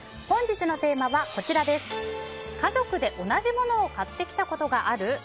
本日のテーマは家族で同じものを買ってきたことがある？